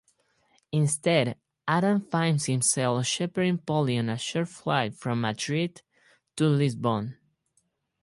Instead, Adam finds himself shepherding Polly on a short flight from Madrid to Lisbon.